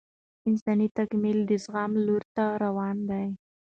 انساني تکامل د زغم لور ته روان دی